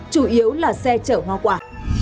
chủ yếu là xe chở hoa quả